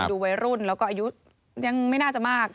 ดูวัยรุ่นแล้วก็อายุยังไม่น่าจะมาก